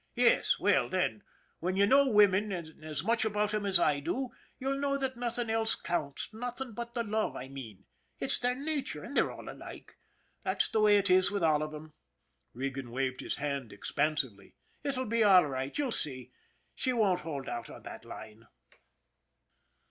'' Yes ; well then, when you know women, and as much about 'em as I do, you'll know that nothing else counts nothing but the love, I mean. It's their nature, and they're all alike. That's the way it is with all of 'em " Regan waved his hand expansively. " It'll be all right. You'll see. She won't hold out on that line."